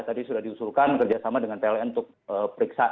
tadi sudah diusulkan kerjasama dengan pln untuk periksa